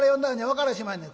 分からしまへんねん」。